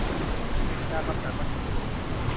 ยากำจัดวัชพืช